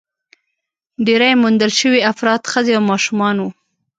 ډېری موندل شوي افراد ښځې او ماشومان وو.